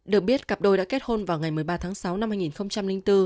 được biết cặp đôi đã kết hôn vào ngày một mươi ba tháng sáu năm hai nghìn bốn